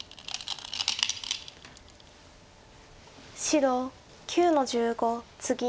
白９の十五ツギ。